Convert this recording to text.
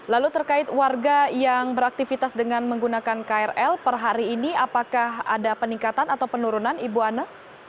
lalu terkait warga yang beraktivitas dengan menggunakan krl per hari ini apakah ada peningkatan atau penurunan ibu ana